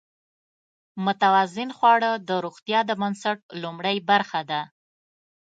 متوازن خواړه د روغتیا د بنسټ لومړۍ برخه ده.